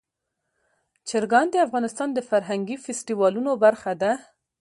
چرګان د افغانستان د فرهنګي فستیوالونو برخه ده.